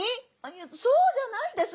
「そうじゃないです。